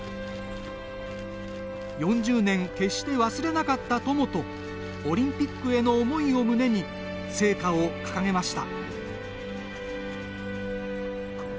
４０年、決して忘れなかった友とオリンピックへの思いを胸に聖火を掲げました。